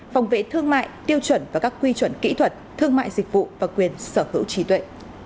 phòng vệ thương mại tiêu chuẩn và các quy chuẩn kỹ thuật thương mại dịch vụ và quyền sở hữu trí tuệ